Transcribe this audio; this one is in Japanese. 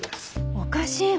おかしいわ。